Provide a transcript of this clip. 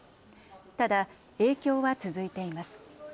ただ影響は続いています。